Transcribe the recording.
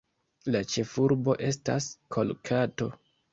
La ĉefurbo estas Kolkato.